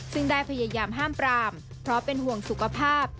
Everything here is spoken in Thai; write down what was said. ซึ่งได้พยายามห้ามปรามเพราะเป็นห่วงสุขภาพ